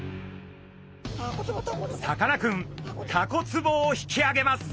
さかなクンタコ壺を引き上げます。